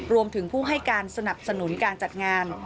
รวมถึงผู้ให้การสนับสนุนการจัดงาน